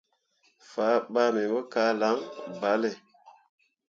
Fabaa me pu kah lan ɓale.